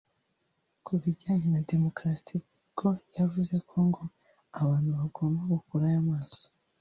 Ku bijyanye na demokarasi bwo yavuze ko ngo abantu bagomba gukurayo amaso